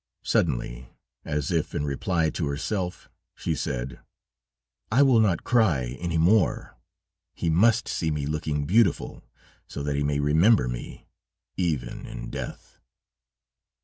Suddenly, as if in reply to herself, she said: 'I will not cry any more; he must see me looking beautiful, so that he may remember me, even in death!'